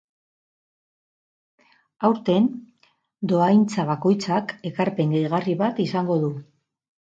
Aurten, dohaintza bakoitzak ekarpen gehigarri bat izango du.